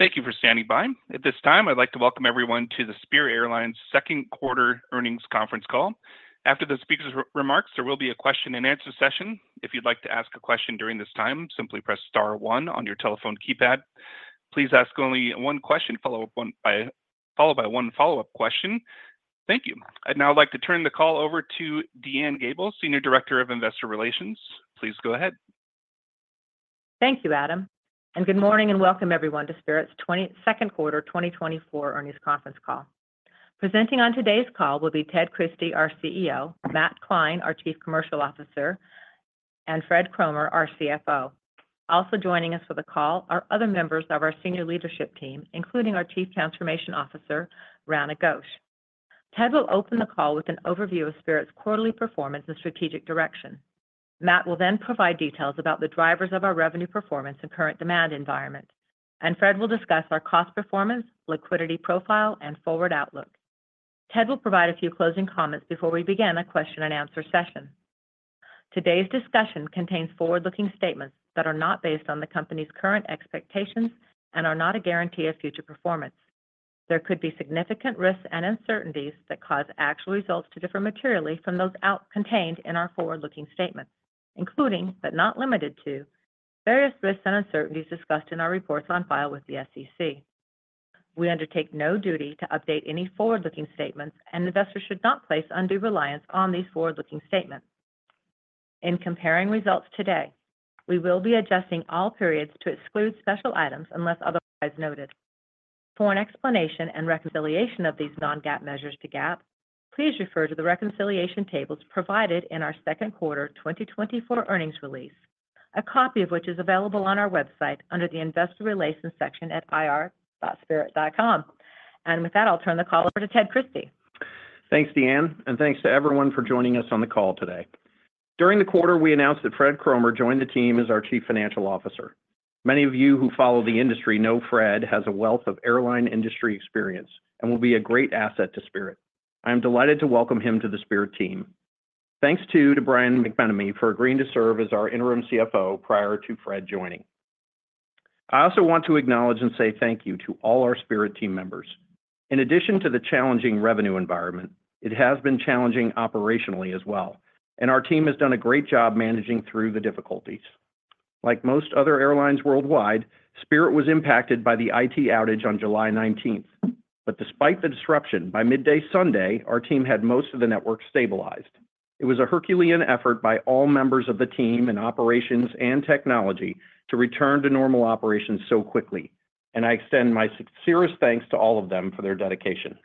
Thank you for standing by. At this time, I'd like to welcome everyone to the Spirit Airlines Q2 earnings conference call. After the speakers' remarks, there will be a question and answer session. If you'd like to ask a question during this time, simply press star one on your telephone keypad. Please ask only one question followed by one follow-up question. Thank you. I'd now like to turn the call over to DeAnne Gabel, Senior Director of Investor Relations. Please go ahead. Thank you, Adam. Good morning and welcome everyone to Spirit's Q2 2024 earnings conference call. Presenting on today's call will be Ted Christie, our CEO, Matt Klein, our Chief Commercial Officer, and Fred Cromer, our CFO. Also joining us for the call are other members of our senior leadership team, including our Chief Transformation Officer, Rana Ghosh. Ted will open the call with an overview of Spirit's quarterly performance and strategic direction. Matt will then provide details about the drivers of our revenue performance and current demand environment. Fred will discuss our cost performance, liquidity profile, and forward outlook. Ted will provide a few closing comments before we begin a question and answer session. Today's discussion contains forward-looking statements that are not based on the company's current expectations and are not a guarantee of future performance. There could be significant risks and uncertainties that cause actual results to differ materially from those contained in our forward-looking statements, including, but not limited to, various risks and uncertainties discussed in our reports on file with the SEC. We undertake no duty to update any forward-looking statements, and investors should not place undue reliance on these forward-looking statements. In comparing results today, we will be adjusting all periods to exclude special items unless otherwise noted. For an explanation and reconciliation of these non-GAAP measures to GAAP, please refer to the reconciliation tables provided in our Q2 2024 earnings release, a copy of which is available on our website under the Investor Relations section at ir.spirit.com. With that, I'll turn the call over to Ted Christie. Thanks, Deanne, and thanks to everyone for joining us on the call today. During the quarter, we announced that Fred Cromer joined the team as our Chief Financial Officer. Many of you who follow the industry know Fred has a wealth of airline industry experience and will be a great asset to Spirit. I am delighted to welcome him to the Spirit team. Thanks too to Brian McMenamy for agreeing to serve as our interim CFO prior to Fred joining. I also want to acknowledge and say thank you to all our Spirit team members. In addition to the challenging revenue environment, it has been challenging operationally as well, and our team has done a great job managing through the difficulties. Like most other airlines worldwide, Spirit was impacted by the IT outage on July 19th. But despite the disruption, by midday Sunday, our team had most of the network stabilized. It was a herculean effort by all members of the team in operations and technology to return to normal operations so quickly. And I extend my sincerest thanks to all of them for their dedication.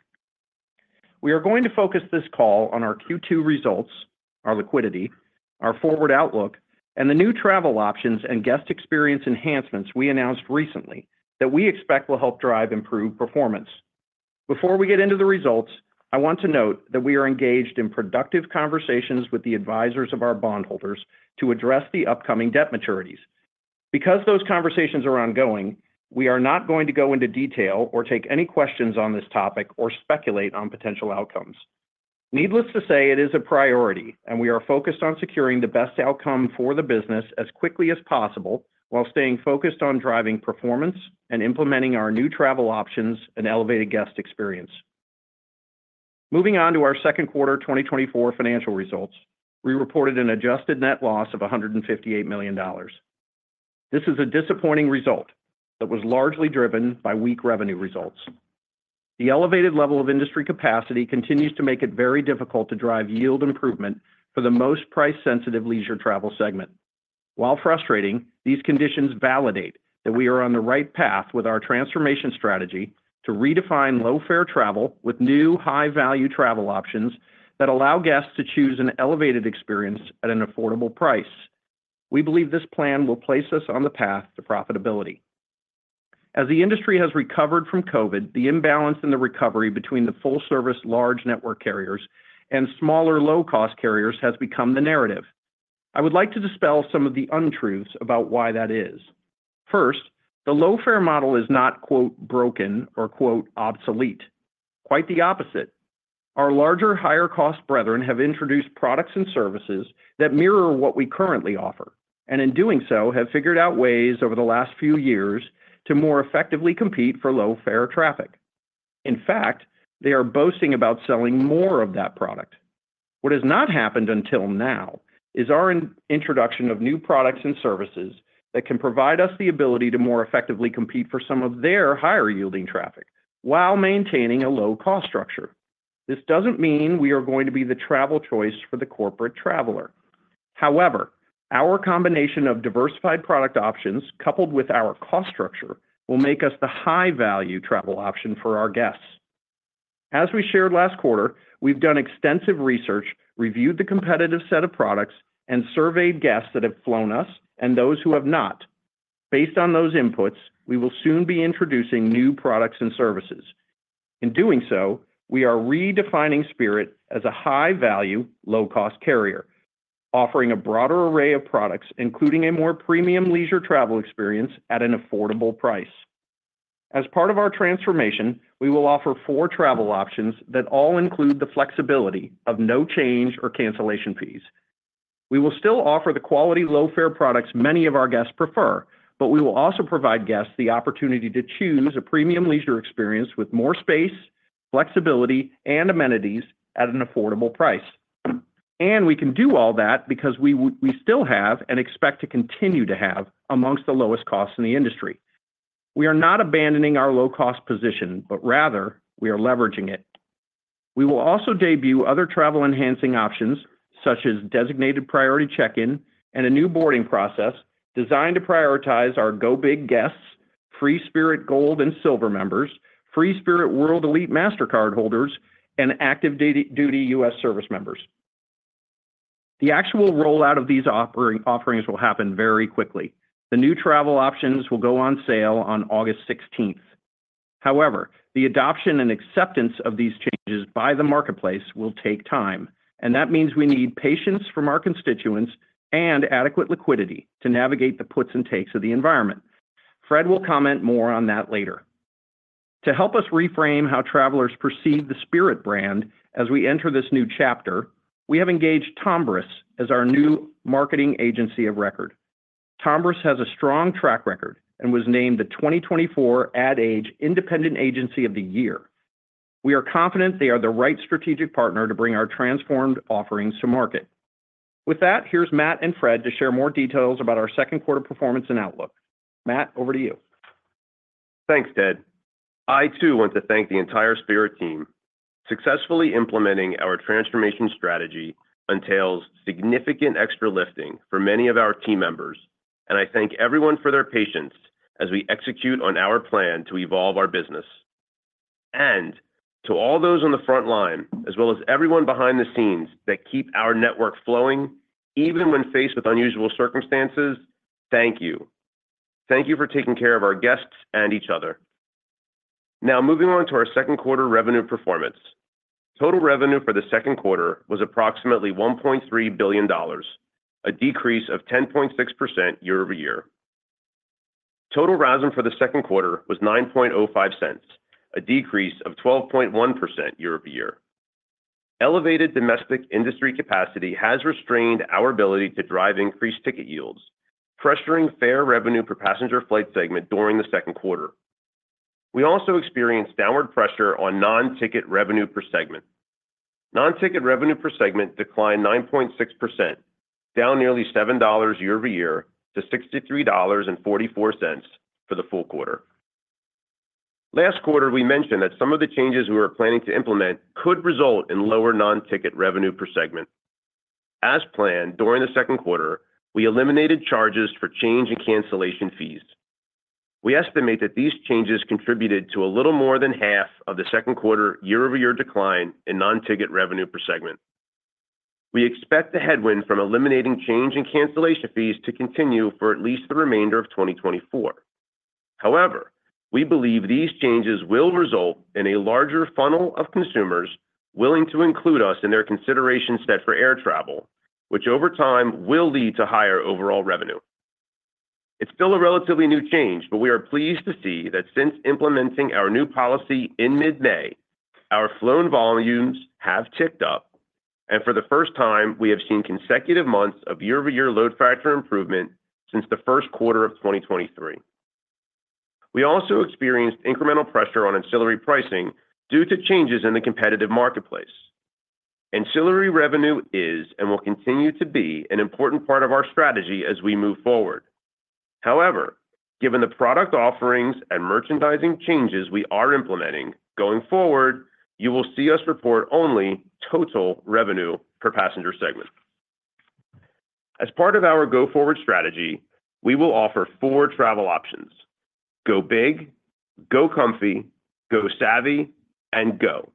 We are going to focus this call on our Q2 results, our liquidity, our forward outlook, and the new travel options and guest experience enhancements we announced recently that we expect will help drive improved performance. Before we get into the results, I want to note that we are engaged in productive conversations with the advisors of our bondholders to address the upcoming debt maturities. Because those conversations are ongoing, we are not going to go into detail or take any questions on this topic or speculate on potential outcomes. Needless to say, it is a priority, and we are focused on securing the best outcome for the business as quickly as possible while staying focused on driving performance and implementing our new travel options and elevated guest experience. Moving on to our Q2 2024 financial results, we reported an adjusted net loss of $158 million. This is a disappointing result that was largely driven by weak revenue results. The elevated level of industry capacity continues to make it very difficult to drive yield improvement for the most price-sensitive leisure travel segment. While frustrating, these conditions validate that we are on the right path with our transformation strategy to redefine low-fare travel with new high-value travel options that allow guests to choose an elevated experience at an affordable price. We believe this plan will place us on the path to profitability. As the industry has recovered from COVID, the imbalance in the recovery between the full-service large network carriers and smaller low-cost carriers has become the narrative. I would like to dispel some of the untruths about why that is. First, the low-fare model is not "broken" or "obsolete." Quite the opposite. Our larger, higher-cost brethren have introduced products and services that mirror what we currently offer, and in doing so, have figured out ways over the last few years to more effectively compete for low-fare traffic. In fact, they are boasting about selling more of that product. What has not happened until now is our introduction of new products and services that can provide us the ability to more effectively compete for some of their higher-yielding traffic while maintaining a low-cost structure. This doesn't mean we are going to be the travel choice for the corporate traveler. However, our combination of diversified product options coupled with our cost structure will make us the high-value travel option for our guests. As we shared last quarter, we've done extensive research, reviewed the competitive set of products, and surveyed guests that have flown us and those who have not. Based on those inputs, we will soon be introducing new products and services. In doing so, we are redefining Spirit as a high-value, low-cost carrier, offering a broader array of products, including a more premium leisure travel experience at an affordable price. As part of our transformation, we will offer four travel options that all include the flexibility of no change or cancellation fees. We will still offer the quality low-fare products many of our guests prefer, but we will also provide guests the opportunity to choose a premium leisure experience with more space, flexibility, and amenities at an affordable price. We can do all that because we still have and expect to continue to have among the lowest costs in the industry. We are not abandoning our low-cost position, but rather, we are leveraging it. We will also debut other travel-enhancing options, such as designated priority check-in and a new boarding process designed to prioritize our Go Big guests, Free Spirit Gold and Silver members, Free Spirit World Elite Mastercard holders, and active duty U.S. service members. The actual rollout of these offerings will happen very quickly. The new travel options will go on sale on August 16th. However, the adoption and acceptance of these changes by the marketplace will take time. That means we need patience from our constituents and adequate liquidity to navigate the puts and takes of the environment. Fred will comment more on that later. To help us reframe how travelers perceive the Spirit brand as we enter this new chapter, we have engaged Tombras as our new marketing agency of record. Tombras has a strong track record and was named the 2024 Ad Age Independent Agency of the Year. We are confident they are the right strategic partner to bring our transformed offerings to market. With that, here's Matt and Fred to share more details about our Q2 performance and outlook. Matt, over to you. Thanks, Ted. I too want to thank the entire Spirit team. Successfully implementing our transformation strategy entails significant extra lifting for many of our team members. I thank everyone for their patience as we execute on our plan to evolve our business. To all those on the front line, as well as everyone behind the scenes that keep our network flowing, even when faced with unusual circumstances, thank you. Thank you for taking care of our guests and each other. Now, moving on to our Q2 revenue performance. Total revenue for the Q2 was approximately $1.3 billion, a decrease of 10.6% year-over-year. Total TRASM for the Q2 was 9.05 cents, a decrease of 12.1% year-over-year. Elevated domestic industry capacity has restrained our ability to drive increased ticket yields, pressuring fare revenue per passenger flight segment during the Q2. We also experienced downward pressure on non-ticket revenue per segment. Non-ticket revenue per segment declined 9.6%, down nearly $7 year-over-year to $63.44 for the full quarter. Last quarter, we mentioned that some of the changes we were planning to implement could result in lower non-ticket revenue per segment. As planned during the Q2, we eliminated charges for change and cancellation fees. We estimate that these changes contributed to a little more than half of the Q2 year-over-year decline in non-ticket revenue per segment. We expect the headwind from eliminating change and cancellation fees to continue for at least the remainder of 2024. However, we believe these changes will result in a larger funnel of consumers willing to include us in their considerations set for air travel, which over time will lead to higher overall revenue. It's still a relatively new change, but we are pleased to see that since implementing our new policy in mid-May, our flown volumes have ticked up. For the first time, we have seen consecutive months of year-over-year load factor improvement since the Q1 of 2023. We also experienced incremental pressure on ancillary pricing due to changes in the competitive marketplace. Ancillary revenue is and will continue to be an important part of our strategy as we move forward. However, given the product offerings and merchandising changes we are implementing going forward, you will see us report only total revenue per passenger segment. As part of our go forward strategy, we will offer four travel options: Go Big, Go Comfy, Go Savvy, and Go.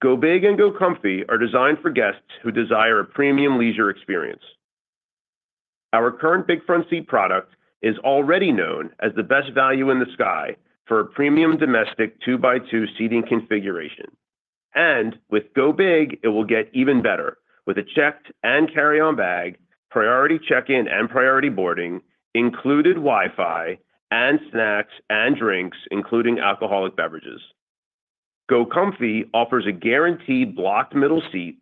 Go Big and Go Comfy are designed for guests who desire a premium leisure experience. Our current Big Front Seat product is already known as the best value in the sky for a premium domestic two-by-two seating configuration. With Go Big, it will get even better with a checked and carry-on bag, priority check-in and priority boarding, included Wi-Fi, and snacks and drinks, including alcoholic beverages. Go Comfy offers a guaranteed blocked middle seat,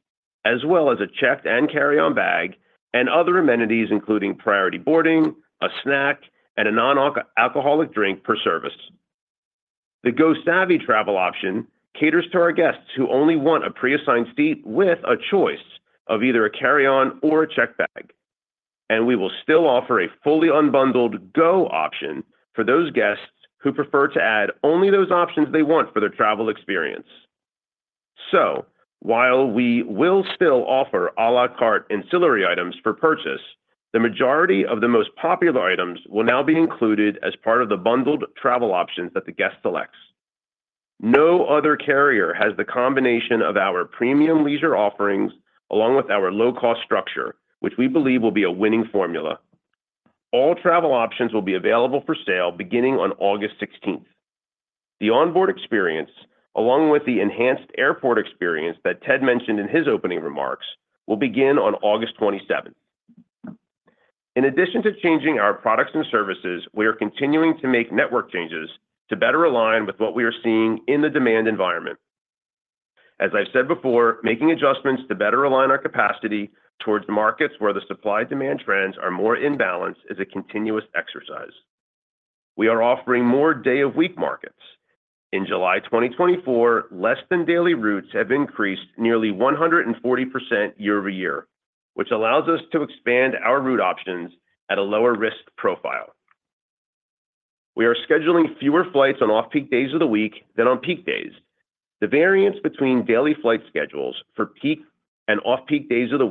as well as a checked and carry-on bag and other amenities, including priority boarding, a snack, and a non-alcoholic drink per service. The Go Savvy travel option caters to our guests who only want a preassigned seat with a choice of either a carry-on or a checked bag. We will still offer a fully unbundled Go option for those guests who prefer to add only those options they want for their travel experience. So while we will still offer à la carte ancillary items for purchase, the majority of the most popular items will now be included as part of the bundled travel options that the guest selects. No other carrier has the combination of our premium leisure offerings along with our low-cost structure, which we believe will be a winning formula. All travel options will be available for sale beginning on August 16th. The onboard experience, along with the enhanced airport experience that Ted mentioned in his opening remarks, will begin on August 27th. In addition to changing our products and services, we are continuing to make network changes to better align with what we are seeing in the demand environment. As I've said before, making adjustments to better align our capacity towards markets where the supply-demand trends are more in balance is a continuous exercise. We are offering more day-of-week markets. In July 2024, less-than-daily routes have increased nearly 140% year-over-year, which allows us to expand our route options at a lower risk profile. We are scheduling fewer flights on off-peak days of the week than on peak days. The variance between daily flight schedules for peak and off-peak days of the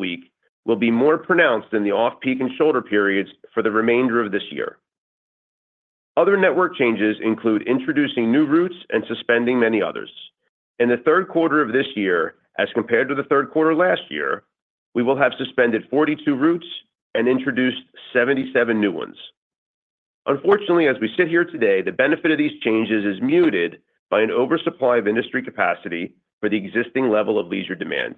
week will be more pronounced than the off-peak and shoulder periods for the remainder of this year. Other network changes include introducing new routes and suspending many others. In the Q3 of this year, as compared to the Q3 last year, we will have suspended 42 routes and introduced 77 new ones. Unfortunately, as we sit here today, the benefit of these changes is muted by an oversupply of industry capacity for the existing level of leisure demand.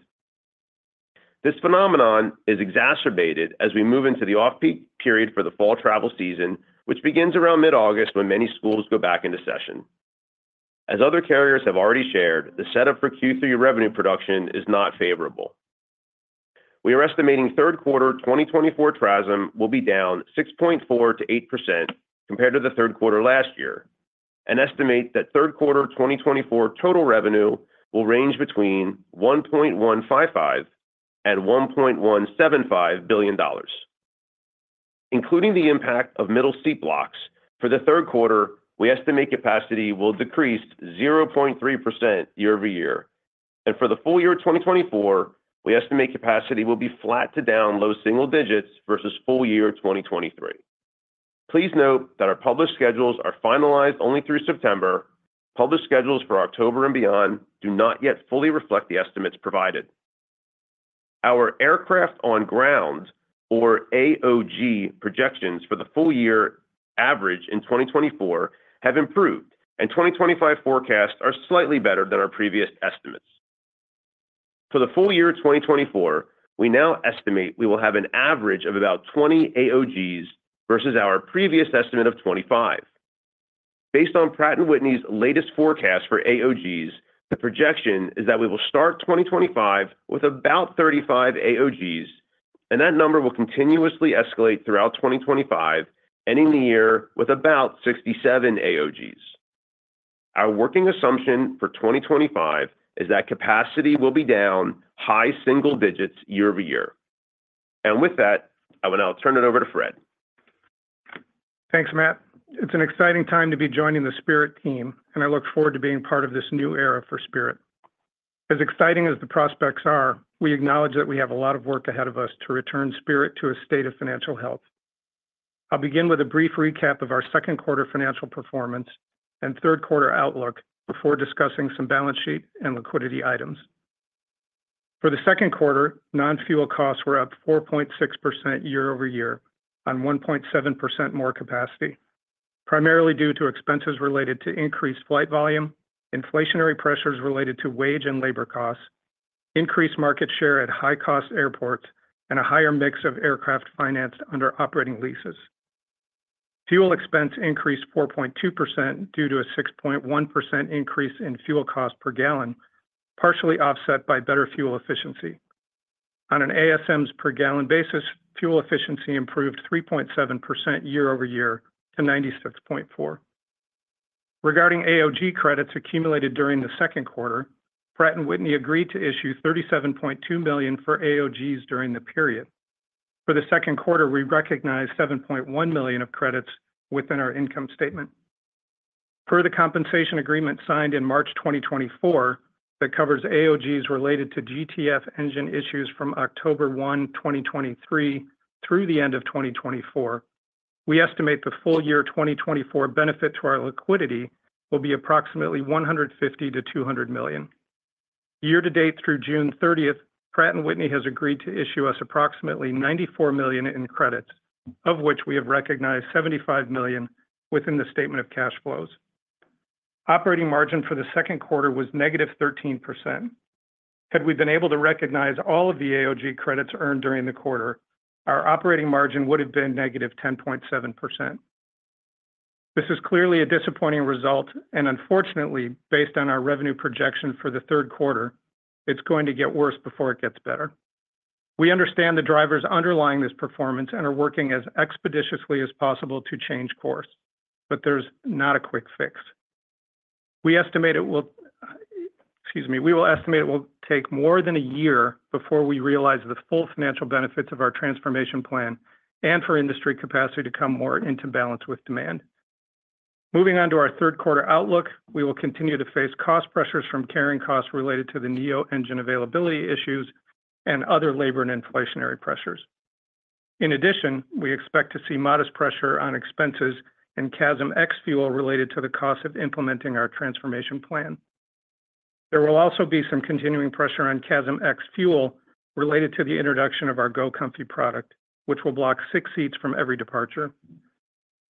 This phenomenon is exacerbated as we move into the off-peak period for the fall travel season, which begins around mid-August when many schools go back into session. As other carriers have already shared, the setup for Q3 revenue production is not favorable. We are estimating Q3 2024 TRASM will be down 6.4%-8% compared to the Q3 last year. An estimate that Q3 2024 total revenue will range between $1.155-$1.175 billion. Including the impact of middle seat blocks, for the Q3, we estimate capacity will decrease 0.3% year-over-year. For the full year 2024, we estimate capacity will be flat to down low single digits versus full year 2023. Please note that our published schedules are finalized only through September. Public schedules for October and beyond do not yet fully reflect the estimates provided. Our aircraft on ground, or AOG, projections for the full year average in 2024 have improved, and 2025 forecasts are slightly better than our previous estimates. For the full year 2024, we now estimate we will have an average of about 20 AOGs versus our previous estimate of 25. Based on Pratt & Whitney's latest forecast for AOGs, the projection is that we will start 2025 with about 35 AOGs, and that number will continuously escalate throughout 2025, ending the year with about 67 AOGs. Our working assumption for 2025 is that capacity will be down high single digits year-over-year. With that, I will now turn it over to Fred. Thanks, Matt. It's an exciting time to be joining the Spirit team, and I look forward to being part of this new era for Spirit. As exciting as the prospects are, we acknowledge that we have a lot of work ahead of us to return Spirit to a state of financial health. I'll begin with a brief recap of our Q2 financial performance and Q3 outlook before discussing some balance sheet and liquidity items. For the Q2, non-fuel costs were up 4.6% year-over-year on 1.7% more capacity, primarily due to expenses related to increased flight volume, inflationary pressures related to wage and labor costs, increased market share at high-cost airports, and a higher mix of aircraft financed under operating leases. Fuel expense increased 4.2% due to a 6.1% increase in fuel costs per gallon, partially offset by better fuel efficiency. On an ASMs per gallon basis, fuel efficiency improved 3.7% year-over-year to 96.4%. Regarding AOG credits accumulated during the Q2, Pratt & Whitney agreed to issue $37.2 million for AOGs during the period. For the Q2, we recognize $7.1 million of credits within our income statement. Per the compensation agreement signed in March 2024 that covers AOGs related to GTF engine issues from October 1, 2023, through the end of 2024, we estimate the full year 2024 benefit to our liquidity will be approximately $150 million-$200 million. Year to date through June 30th, Pratt & Whitney has agreed to issue us approximately $94 million in credits, of which we have recognized $75 million within the statement of cash flows. Operating margin for the Q2 was -13%. Had we been able to recognize all of the AOG credits earned during the quarter, our operating margin would have been -10.7%. This is clearly a disappointing result, and unfortunately, based on our revenue projection for the Q3, it's going to get worse before it gets better. We understand the drivers underlying this performance and are working as expeditiously as possible to change course, but there's not a quick fix. We estimate it will, excuse me, we will estimate it will take more than a year before we realize the full financial benefits of our transformation plan and for industry capacity to come more into balance with demand. Moving on to our Q3 outlook, we will continue to face cost pressures from carrying costs related to the NEO engine availability issues and other labor and inflationary pressures. In addition, we expect to see modest pressure on expenses in CASM ex-fuel related to the cost of implementing our transformation plan. There will also be some continuing pressure on CASM ex-fuel related to the introduction of our Go Comfy product, which will block 6 seats from every departure.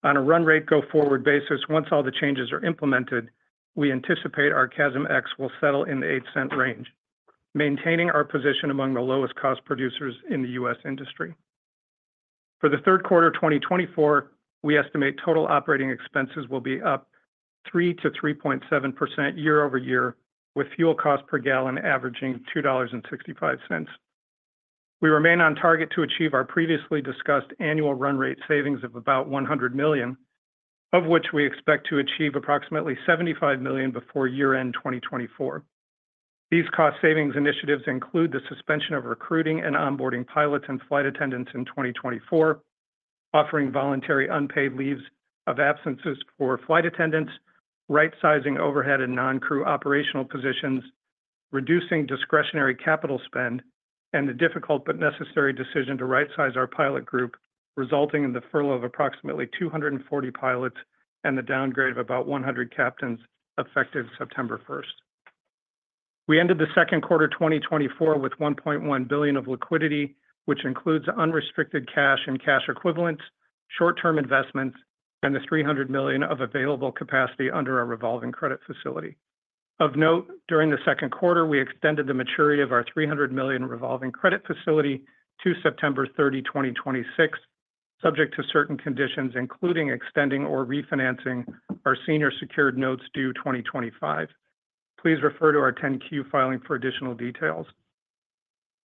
On a run rate go forward basis, once all the changes are implemented, we anticipate our CASM ex-fuel will settle in the $0.08 range, maintaining our position among the lowest cost producers in the U.S. industry. For the Q3 2024, we estimate total operating expenses will be up 3%-3.7% year-over-year, with fuel costs per gallon averaging $2.65. We remain on target to achieve our previously discussed annual run rate savings of about $100 million, of which we expect to achieve approximately $75 million before year-end 2024. These cost savings initiatives include the suspension of recruiting and onboarding pilots and flight attendants in 2024, offering voluntary unpaid leaves of absences for flight attendants, rightsizing overhead and non-crew operational positions, reducing discretionary capital spend, and the difficult but necessary decision to rightsize our pilot group, resulting in the furlough of approximately 240 pilots and the downgrade of about 100 captains effective September 1st. We ended the Q2 2024 with $1.1 billion of liquidity, which includes unrestricted cash and cash equivalents, short-term investments, and the $300 million of available capacity under our revolving credit facility. Of note, during the Q2, we extended the maturity of our $300 million revolving credit facility to September 30, 2026, subject to certain conditions, including extending or refinancing our senior secured notes due 2025. Please refer to our 10-Q filing for additional details.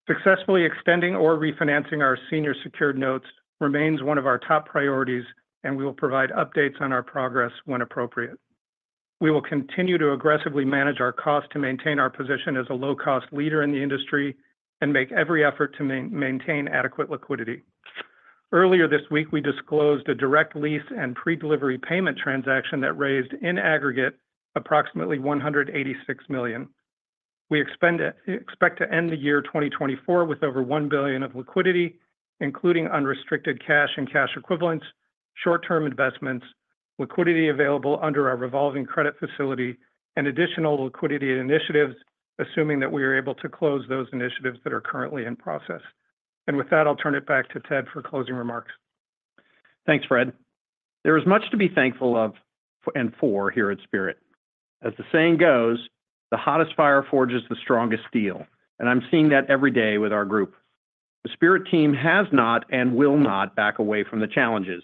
Successfully extending or refinancing our senior secured notes remains one of our top priorities, and we will provide updates on our progress when appropriate. We will continue to aggressively manage our costs to maintain our position as a low-cost leader in the industry and make every effort to maintain adequate liquidity. Earlier this week, we disclosed a direct lease and pre-delivery payment transaction that raised in aggregate approximately $186 million. We expect to end the year 2024 with over $1 billion of liquidity, including unrestricted cash and cash equivalents, short-term investments, liquidity available under our revolving credit facility, and additional liquidity initiatives, assuming that we are able to close those initiatives that are currently in process. With that, I'll turn it back to Ted for closing remarks. Thanks, Fred. There is much to be thankful of and for here at Spirit. As the saying goes, the hottest fire forges the strongest steel, and I'm seeing that every day with our group. The Spirit team has not and will not back away from the challenges,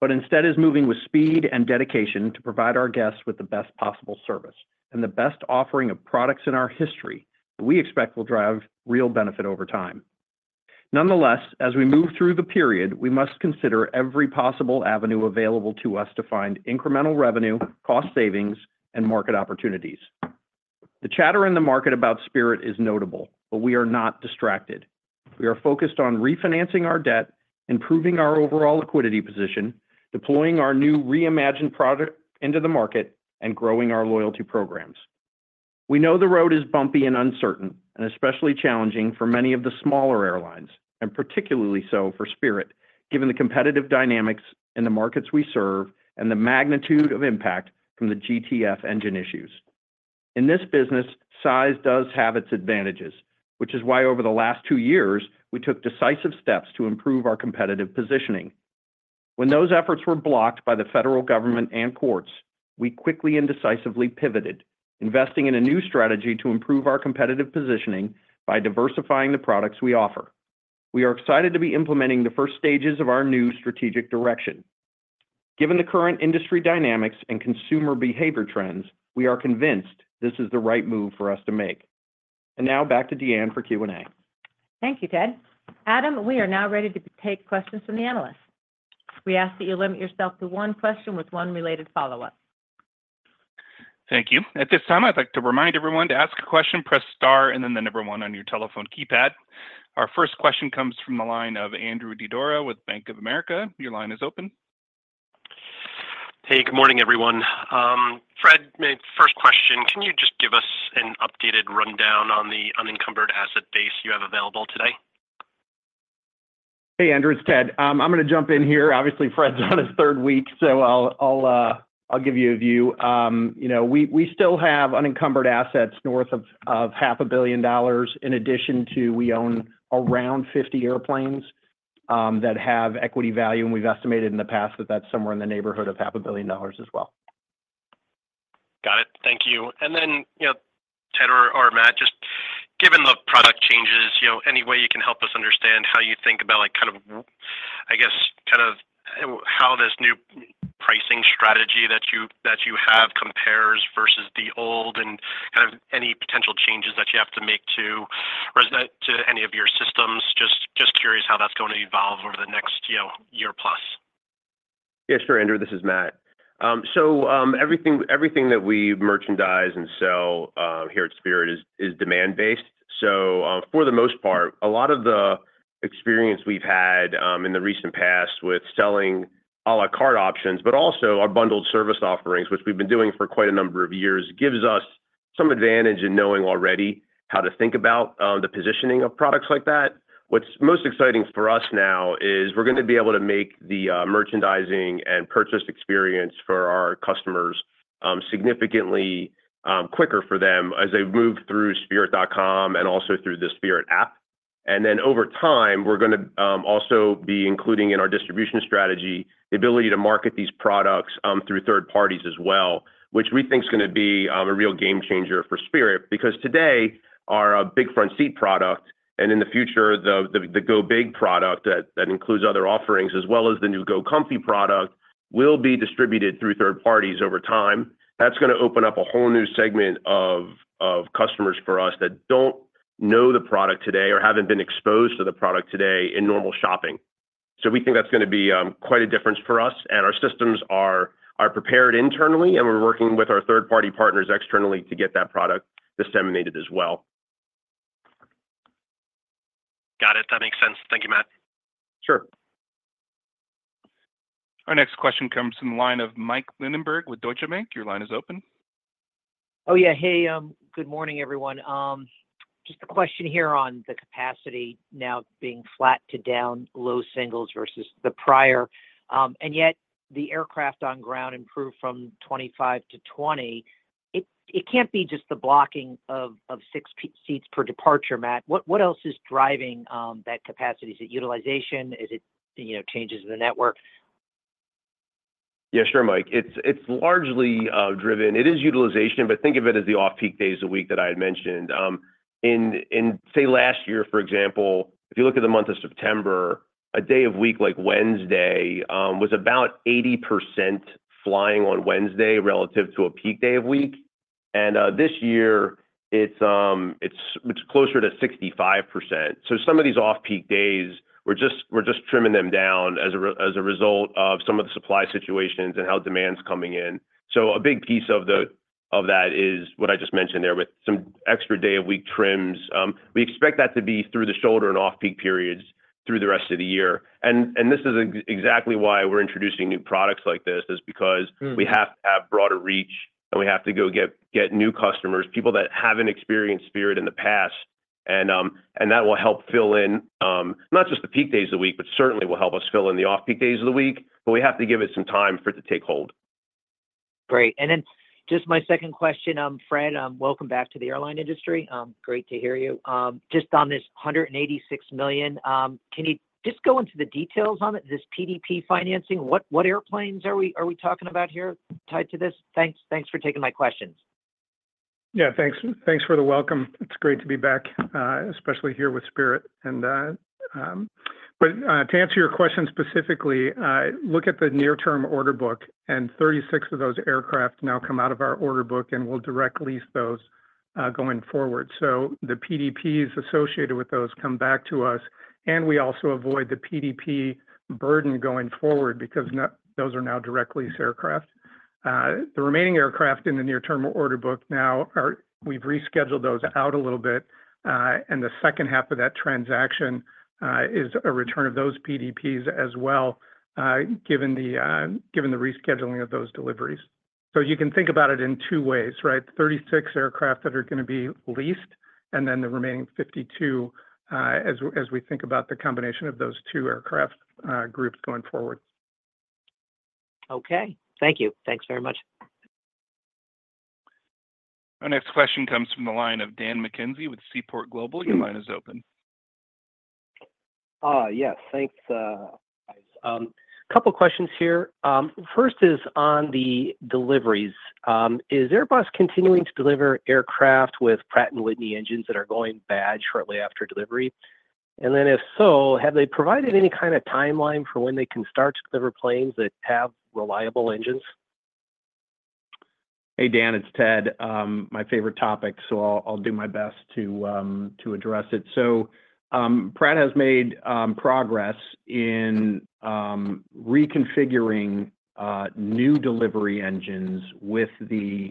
but instead is moving with speed and dedication to provide our guests with the best possible service and the best offering of products in our history that we expect will drive real benefit over time. Nonetheless, as we move through the period, we must consider every possible avenue available to us to find incremental revenue, cost savings, and market opportunities. The chatter in the market about Spirit is notable, but we are not distracted. We are focused on refinancing our debt, improving our overall liquidity position, deploying our new reimagined product into the market, and growing our loyalty programs. We know the road is bumpy and uncertain, and especially challenging for many of the smaller airlines, and particularly so for Spirit, given the competitive dynamics in the markets we serve and the magnitude of impact from the GTF engine issues. In this business, size does have its advantages, which is why over the last two years, we took decisive steps to improve our competitive positioning. When those efforts were blocked by the federal government and courts, we quickly and decisively pivoted, investing in a new strategy to improve our competitive positioning by diversifying the products we offer. We are excited to be implementing the first stages of our new strategic direction. Given the current industry dynamics and consumer behavior trends, we are convinced this is the right move for us to make. Now back to Deanne for Q&A. Thank you, Ted. Adam, we are now ready to take questions from the analysts. We ask that you limit yourself to one question with one related follow-up. Thank you. At this time, I'd like to remind everyone to ask a question, press star, and then the number one on your telephone keypad. Our first question comes from the line of Andrew Didora with Bank of America. Your line is open. Hey, good morning, everyone. Fred, my first question, can you just give us an updated rundown on the unencumbered asset base you have available today? Hey, Andrew, it's Ted. I'm going to jump in here. Obviously, Fred's on his third week, so I'll give you a view. We still have unencumbered assets north of $500 million, in addition to we own around 50 airplanes that have equity value, and we've estimated in the past that that's somewhere in the neighborhood of $500 million as well. Got it. Thank you. And then, Ted or Matt, just given the product changes, any way you can help us understand how you think about kind of, I guess, kind of how this new pricing strategy that you have compares versus the old and kind of any potential changes that you have to make to any of your systems. Just curious how that's going to evolve over the next year plus. Yeah, sure, Andrew. This is Matt. So everything that we merchandise and sell here at Spirit is demand-based. So for the most part, a lot of the experience we've had in the recent past with selling à la carte options, but also our bundled service offerings, which we've been doing for quite a number of years, gives us some advantage in knowing already how to think about the positioning of products like that. What's most exciting for us now is we're going to be able to make the merchandising and purchase experience for our customers significantly quicker for them as they move through spirit.com and also through the Spirit app. And then over time, we're going to also be including in our distribution strategy the ability to market these products through third parties as well, which we think is going to be a real game changer for Spirit because today our Big Front Seat product and in the future the Go Big product that includes other offerings as well as the new Go Comfy product will be distributed through third parties over time. That's going to open up a whole new segment of customers for us that don't know the product today or haven't been exposed to the product today in normal shopping. So we think that's going to be quite a difference for us. And our systems are prepared internally, and we're working with our third-party partners externally to get that product disseminated as well. Got it. That makes sense. Thank you, Matt. Sure. Our next question comes from the line of Mike Linenberg with Deutsche Bank. Your line is open. Oh, yeah. Hey, good morning, everyone. Just a question here on the capacity now being flat to down low singles versus the prior. And yet the aircraft on ground improved from 25 to 20. It can't be just the blocking of six seats per departure, Matt. What else is driving that capacity? Is it utilization? Is it changes in the network? Yeah, sure, Mike. It's largely driven. It is utilization, but think of it as the off-peak days of the week that I had mentioned. In, say, last year, for example, if you look at the month of September, a day of week like Wednesday was about 80% flying on Wednesday relative to a peak day of week. And this year, it's closer to 65%. So some of these off-peak days, we're just trimming them down as a result of some of the supply situations and how demand's coming in. So a big piece of that is what I just mentioned there with some extra day of week trims. We expect that to be through the shoulder and off-peak periods through the rest of the year. This is exactly why we're introducing new products like this, is because we have to have broader reach, and we have to go get new customers, people that haven't experienced Spirit in the past. And that will help fill in not just the peak days of the week, but certainly will help us fill in the off-peak days of the week. But we have to give it some time for it to take hold. Great. And then just my second question, Fred, welcome back to the airline industry. Great to hear you. Just on this $186 million, can you just go into the details on this PDP financing? What airplanes are we talking about here tied to this? Thanks for taking my questions. Yeah, thanks. Thanks for the welcome. It's great to be back, especially here with Spirit. But to answer your question specifically, look at the near-term order book, and 36 of those aircraft now come out of our order book, and we'll direct lease those going forward. So the PDPs associated with those come back to us, and we also avoid the PDP burden going forward because those are now direct lease aircraft. The remaining aircraft in the near-term order book now, we've rescheduled those out a little bit, and the second half of that transaction is a return of those PDPs as well, given the rescheduling of those deliveries. So you can think about it in two ways, right? 36 aircraft that are going to be leased, and then the remaining 52 as we think about the combination of those two aircraft groups going forward. Okay. Thank you. Thanks very much. Our next question comes from the line of Dan McKenzie with Seaport Global. Your line is open. Yes, thanks. A couple of questions here. First is on the deliveries. Is Airbus continuing to deliver aircraft with Pratt & Whitney engines that are going bad shortly after delivery? And then if so, have they provided any kind of timeline for when they can start to deliver planes that have reliable engines? Hey, Dan, it's Ted. My favorite topic, so I'll do my best to address it. Pratt has made progress in reconfiguring new delivery engines with the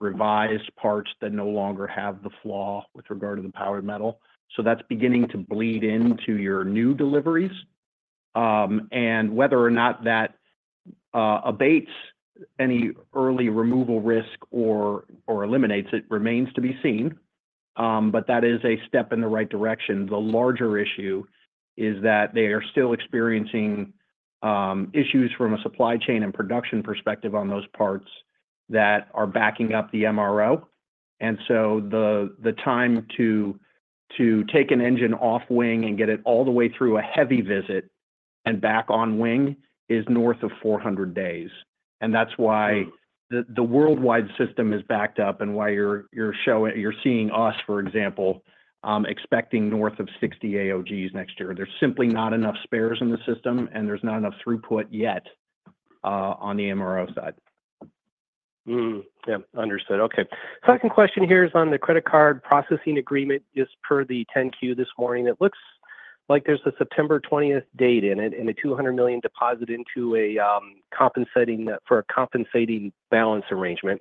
revised parts that no longer have the flaw with regard to the powdered metal. That's beginning to bleed into your new deliveries. And whether or not that abates any early removal risk or eliminates it remains to be seen. But that is a step in the right direction. The larger issue is that they are still experiencing issues from a supply chain and production perspective on those parts that are backing up the MRO. And so the time to take an engine off wing and get it all the way through a heavy visit and back on wing is north of 400 days. And that's why the worldwide system is backed up and why you're seeing us, for example, expecting north of 60 AOGs next year. There's simply not enough spares in the system, and there's not enough throughput yet on the MRO side. Yeah, understood. Okay. Second question here is on the credit card processing agreement just per the 10-Q this morning. It looks like there's a September 20th date in it and a $200 million deposit for a compensating balance arrangement.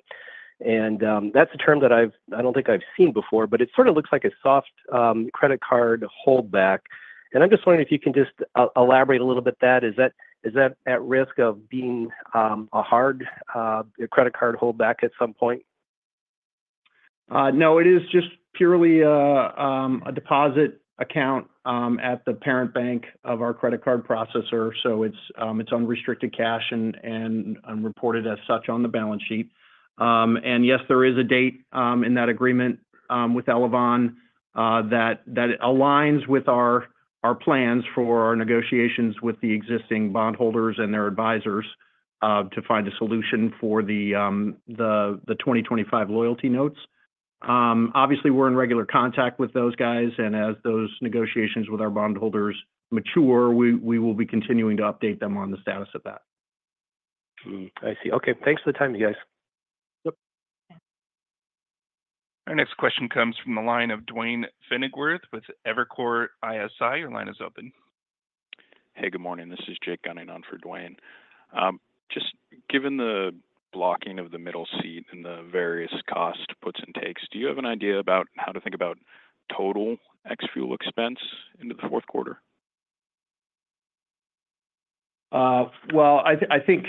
And that's a term that I don't think I've seen before, but it sort of looks like a soft credit card holdback. And I'm just wondering if you can just elaborate a little bit on that. Is that at risk of being a hard credit card holdback at some point? No, it is just purely a deposit account at the parent bank of our credit card processor. It's unrestricted cash and reported as such on the balance sheet. Yes, there is a date in that agreement with Elavon that aligns with our plans for our negotiations with the existing bondholders and their advisors to find a solution for the 2025 loyalty notes. Obviously, we're in regular contact with those guys, and as those negotiations with our bondholders mature, we will be continuing to update them on the status of that. I see. Okay. Thanks for the time, you guys. Yep. Our next question comes from the line of Duane Pfennigwerth with Evercore ISI. Your line is open. Hey, good morning. This is Jake Gunning on for Dwayne. Just given the blocking of the middle seat and the various cost puts and takes, do you have an idea about how to think about total X fuel expense into the Q4? Well, I think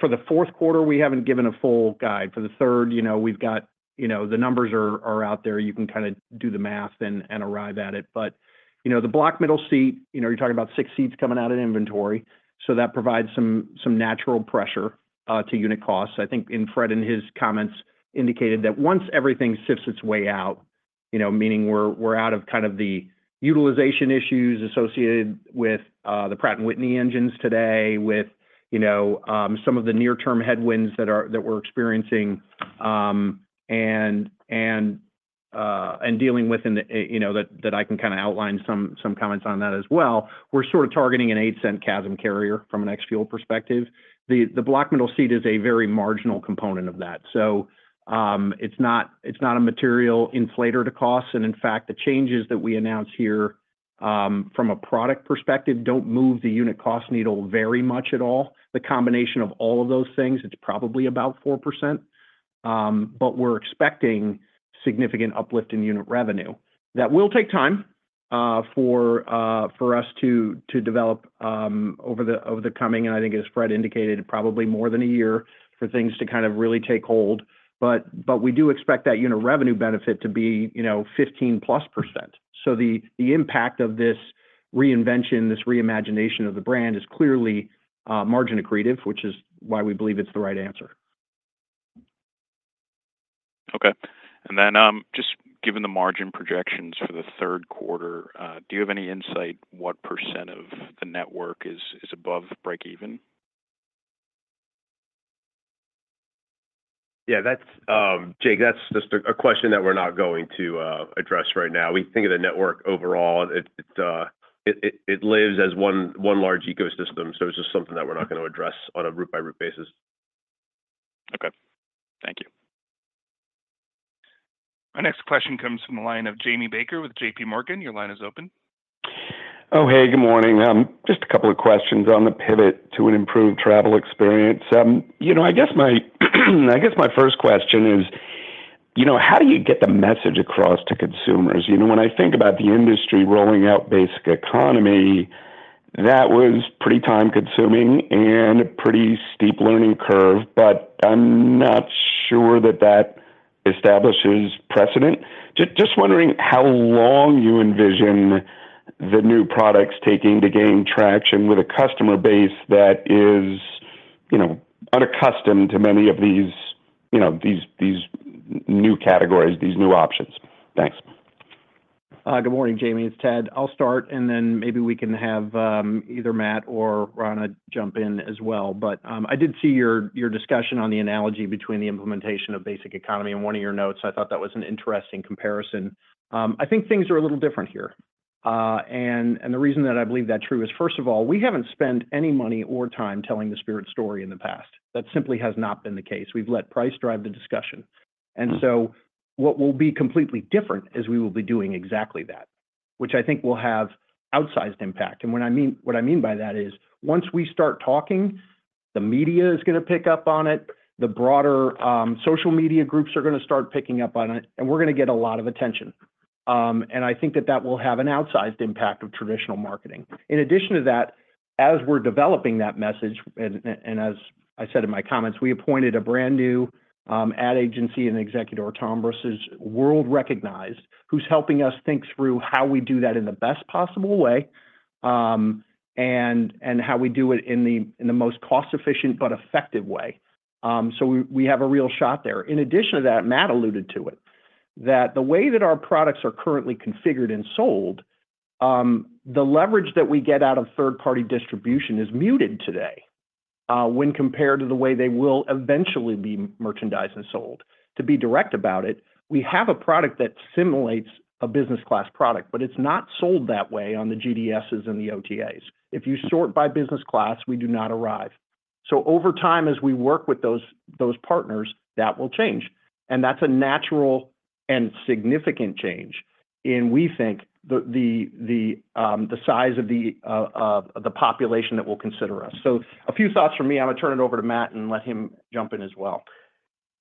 for the Q4, we haven't given a full guide. For the third, we've got the numbers are out there. You can kind of do the math and arrive at it. But the Block Middle Seat, you're talking about 6 seats coming out of inventory. So that provides some natural pressure to unit costs. I think Fred and his comments indicated that once everything sifts its way out, meaning we're out of kind of the utilization issues associated with the Pratt & Whitney engines today, with some of the near-term headwinds that we're experiencing and dealing with, that I can kind of outline some comments on that as well. We're sort of targeting a $0.08 CASM ex from an ex-fuel perspective. The Block Middle Seat is a very marginal component of that. So it's not a material inflator to costs. In fact, the changes that we announced here from a product perspective don't move the unit cost needle very much at all. The combination of all of those things, it's probably about 4%. But we're expecting significant uplift in unit revenue. That will take time for us to develop over the coming, and I think as Fred indicated, probably more than a year for things to kind of really take hold. But we do expect that unit revenue benefit to be 15%+. So the impact of this reinvention, this reimagination of the brand is clearly margin accretive, which is why we believe it's the right answer. Okay. And then just given the margin projections for the Q3, do you have any insight what % of the network is above break-even? Yeah, Jake, that's just a question that we're not going to address right now. We think of the network overall, it lives as one large ecosystem. So it's just something that we're not going to address on a root-by-root basis. Okay. Thank you. Our next question comes from the line of Jamie Baker with JP Morgan. Your line is open. Oh, hey, good morning. Just a couple of questions on the pivot to an improved travel experience. I guess my first question is, how do you get the message across to consumers? When I think about the industry rolling out basic economy, that was pretty time-consuming and a pretty steep learning curve. But I'm not sure that that establishes precedent. Just wondering how long you envision the new products taking to gain traction with a customer base that is unaccustomed to many of these new categories, these new options. Thanks. Good morning, Jamie. It's Ted. I'll start, and then maybe we can have either Matt or Rana jump in as well. But I did see your discussion on the analogy between the implementation of basic economy and one of your notes. I thought that was an interesting comparison. I think things are a little different here. And the reason that I believe that's true is, first of all, we haven't spent any money or time telling the Spirit story in the past. That simply has not been the case. We've let price drive the discussion. And so what will be completely different is we will be doing exactly that, which I think will have outsized impact. And what I mean by that is once we start talking, the media is going to pick up on it. The broader social media groups are going to start picking up on it, and we're going to get a lot of attention. And I think that that will have an outsized impact of traditional marketing. In addition to that, as we're developing that message, and as I said in my comments, we appointed a brand new ad agency and executive, Tombras, world-recognized, who's helping us think through how we do that in the best possible way and how we do it in the most cost-efficient but effective way. So we have a real shot there. In addition to that, Matt alluded to it, that the way that our products are currently configured and sold, the leverage that we get out of third-party distribution is muted today when compared to the way they will eventually be merchandised and sold. To be direct about it, we have a product that simulates a business-class product, but it's not sold that way on the GDSs and the OTAs. If you sort by business class, we do not arrive. So over time, as we work with those partners, that will change. And that's a natural and significant change in, we think, the size of the population that will consider us. So a few thoughts from me. I'm going to turn it over to Matt and let him jump in as well.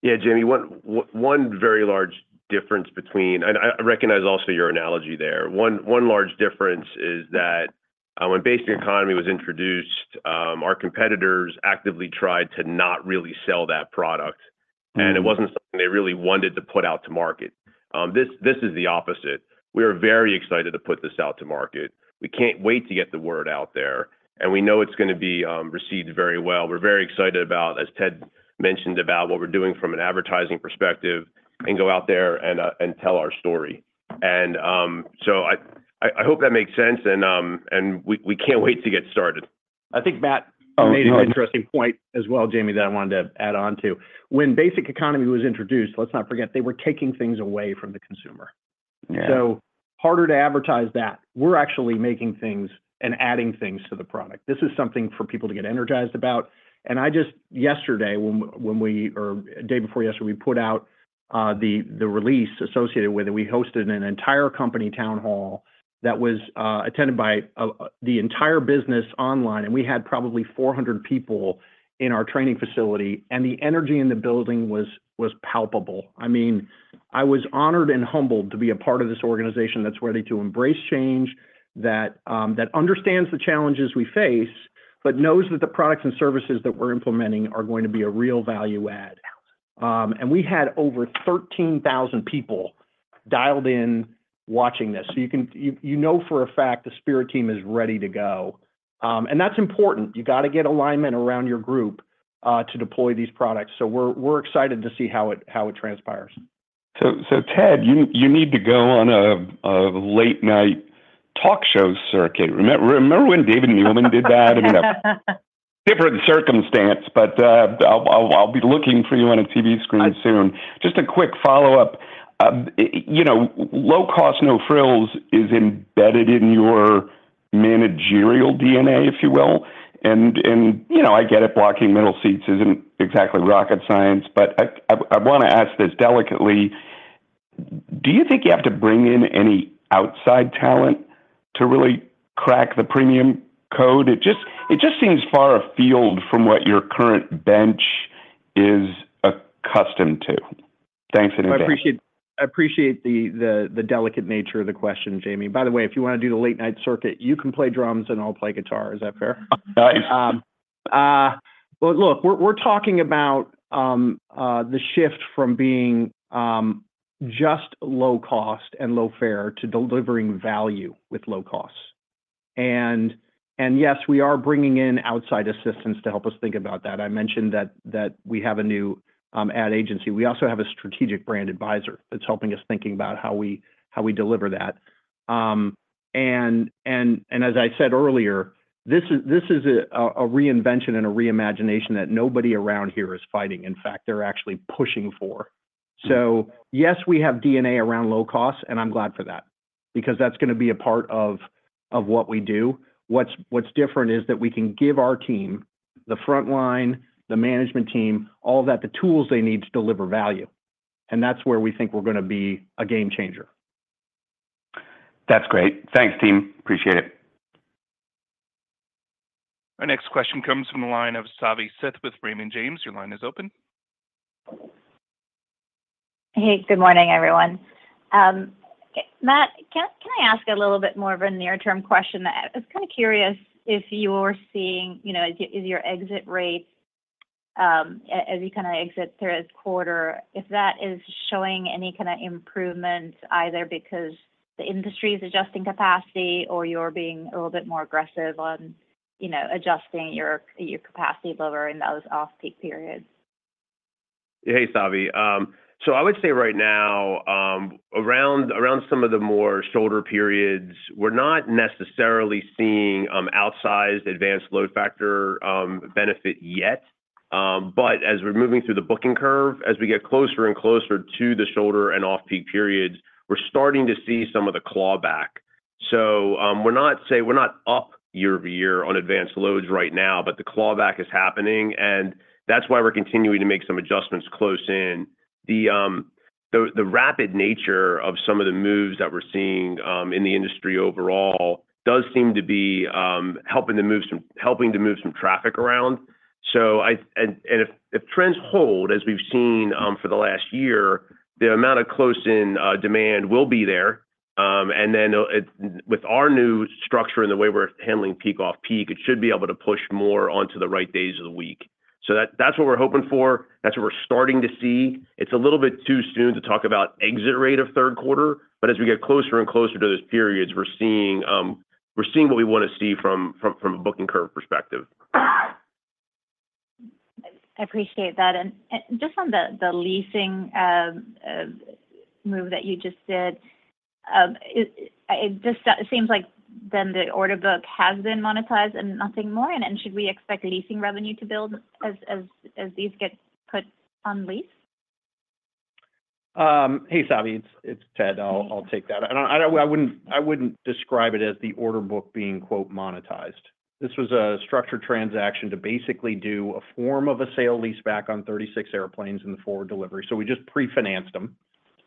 Yeah, Jamie, one very large difference between - and I recognize also your analogy there - one large difference is that when basic economy was introduced, our competitors actively tried to not really sell that product. It wasn't something they really wanted to put out to market. This is the opposite. We are very excited to put this out to market. We can't wait to get the word out there. We know it's going to be received very well. We're very excited about, as Ted mentioned, about what we're doing from an advertising perspective and go out there and tell our story. So I hope that makes sense, and we can't wait to get started. I think Matt made an interesting point as well, Jamie, that I wanted to add on to. When basic economy was introduced, let's not forget, they were taking things away from the consumer. So harder to advertise that. We're actually making things and adding things to the product. This is something for people to get energized about. Just yesterday, when we, or the day before yesterday, we put out the release associated with it. We hosted an entire company town hall that was attended by the entire business online. We had probably 400 people in our training facility. The energy in the building was palpable. I mean, I was honored and humbled to be a part of this organization that's ready to embrace change, that understands the challenges we face, but knows that the products and services that we're implementing are going to be a real value add. We had over 13,000 people dialed in watching this. You know for a fact the Spirit team is ready to go. That's important. You got to get alignment around your group to deploy these products. We're excited to see how it transpires. So Ted, you need to go on a late-night talk show circuit. Remember when Don Newman did that? I mean, different circumstance, but I'll be looking for you on a TV screen soon. Just a quick follow-up. Low cost, no frills is embedded in your managerial DNA, if you will. And I get it, blocking middle seats isn't exactly rocket science. But I want to ask this delicately. Do you think you have to bring in any outside talent to really crack the premium code? It just seems far afield from what your current bench is accustomed to. Thanks in advance. I appreciate the delicate nature of the question, Jamie. By the way, if you want to do the late-night circuit, you can play drums and I'll play guitar. Is that fair? Nice. Well, look, we're talking about the shift from being just low cost and low fare to delivering value with low costs. Yes, we are bringing in outside assistance to help us think about that. I mentioned that we have a new ad agency. We also have a strategic brand advisor that's helping us think about how we deliver that. As I said earlier, this is a reinvention and a reimagination that nobody around here is fighting. In fact, they're actually pushing for. Yes, we have DNA around low cost, and I'm glad for that because that's going to be a part of what we do. What's different is that we can give our team, the front line, the management team, all that, the tools they need to deliver value. That's where we think we're going to be a game changer. That's great. Thanks, team. Appreciate it. Our next question comes from the line of Savi Syth with Raymond James. Your line is open. Hey, good morning, everyone. Matt, can I ask a little bit more of a near-term question? I was kind of curious if you were seeing, is your exit rate, as you kind of exit through this quarter, if that is showing any kind of improvement either because the industry is adjusting capacity or you're being a little bit more aggressive on adjusting your capacity delivery in those off-peak periods? Hey, Savi. So I would say right now, around some of the more shoulder periods, we're not necessarily seeing outsized advanced load factor benefit yet. But as we're moving through the booking curve, as we get closer and closer to the shoulder and off-peak periods, we're starting to see some of the clawback. So we're not up year-over-year on advanced loads right now, but the clawback is happening. And that's why we're continuing to make some adjustments close in. The rapid nature of some of the moves that we're seeing in the industry overall does seem to be helping to move some traffic around. And if trends hold, as we've seen for the last year, the amount of close-in demand will be there. And then with our new structure and the way we're handling peak-off-peak, it should be able to push more onto the right days of the week. So that's what we're hoping for. That's what we're starting to see. It's a little bit too soon to talk about exit rate of Q3. But as we get closer and closer to those periods, we're seeing what we want to see from a booking curve perspective. I appreciate that. And just on the leasing move that you just did, it just seems like then the order book has been monetized and nothing more. And should we expect leasing revenue to build as these get put on lease? Hey, Savi, it's Ted. I'll take that. I wouldn't describe it as the order book being "monetized." This was a structured transaction to basically do a form of a sale lease back on 36 airplanes in the forward delivery. So we just pre-financed them.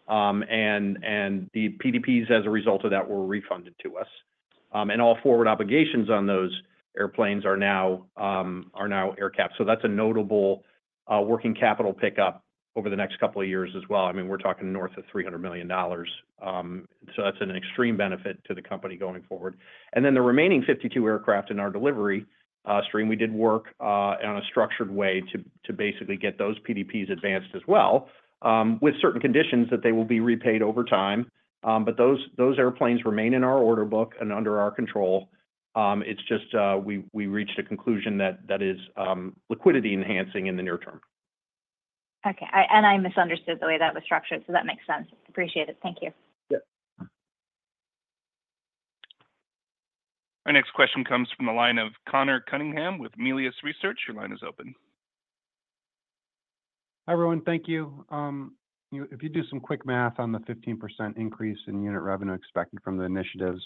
And the PDPs, as a result of that, were refunded to us. And all forward obligations on those airplanes are now air capped. So that's a notable working capital pickup over the next couple of years as well. I mean, we're talking north of $300 million. So that's an extreme benefit to the company going forward. And then the remaining 52 aircraft in our delivery stream, we did work in a structured way to basically get those PDPs advanced as well, with certain conditions that they will be repaid over time. But those airplanes remain in our order book and under our control. It's just we reached a conclusion that is liquidity-enhancing in the near term. Okay. I misunderstood the way that was structured. That makes sense. Appreciate it. Thank you. Yep. Our next question comes from the line of Conor Cunningham with Melius Research. Your line is open. Hi, everyone. Thank you. If you do some quick math on the 15% increase in unit revenue expected from the initiatives,